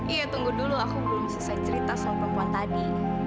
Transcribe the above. iya tunggu dulu aku belum selesai cerita sama perempuan tadi